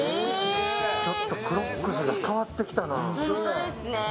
ちょっとクロックスが変わってきたな。